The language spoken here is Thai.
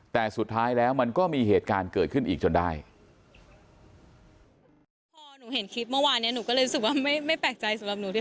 แต่สุดท้ายแล้วมันก็มีเหตุการณ์เกิดขึ้นอีกจนได้